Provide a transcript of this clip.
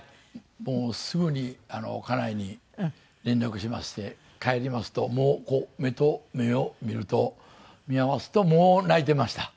もうすぐに家内に連絡しまして帰りますともうこう目と目を見ると見合わすともう泣いてました。